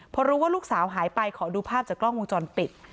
พอรู้ว่าลูกสาวหายไปขอดูภาพจากกล้องวงจรปิด